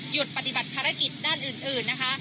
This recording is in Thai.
ปฏิบัติภารกิจด้านอื่นนะคะ